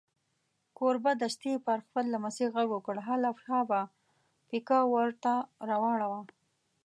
کوربه دستي پر خپل لمسي غږ وکړ: هله شابه پیکه ور ته راوړه.